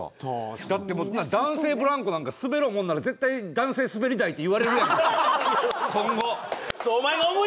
だって、男性ブランコなんか、スベろうもんなら、絶対男性スベり台って言われますよ、今後。